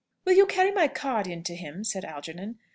"Will you carry in my card to him?" said Algernon.